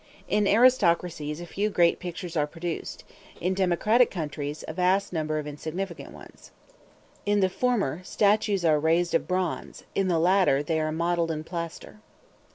In aristocracies a few great pictures are produced; in democratic countries, a vast number of insignificant ones. In the former, statues are raised of bronze; in the latter, they are modelled in plaster.